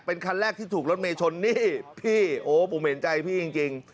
เป็นคันแรกที่ถูกรถเมย์ชนนี่พี่โอ้ผมเห็นใจพี่จริง